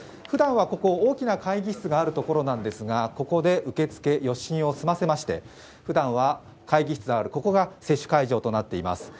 ふだんはここ、大きな会議室があるところなんですが、ここで受け付け、予診を済ませまして、ふだんは会議室である、ここが接種会場となっています。